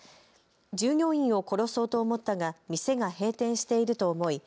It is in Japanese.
従業員を殺そうと思ったが店が閉店していると思い